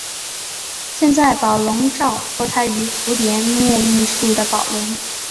现在的宝龙罩脱胎于古典木艺品的宝笼。